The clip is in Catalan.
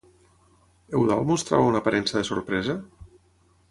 Eudald mostrava una aparença de sorpresa?